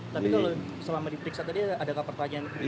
tapi kalau selama diperiksa tadi adakah pertanyaan